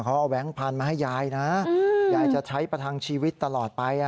เขาเอาแบงค์พันธุ์มาให้ยายนะยายจะใช้ประทังชีวิตตลอดไป